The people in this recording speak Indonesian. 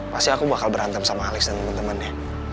pasti aku bakal berantem sama alex dan temen temennya